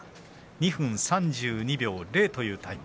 ２分３２秒０というタイム。